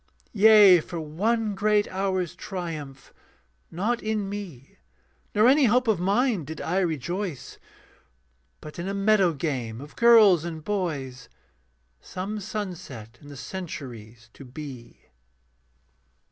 Yea, for one great hour's triumph, not in me Nor any hope of mine did I rejoice, But in a meadow game of girls and boys Some sunset in the centuries to be.